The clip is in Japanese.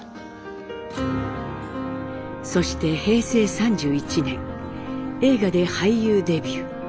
そして平成３１年映画で俳優デビュー。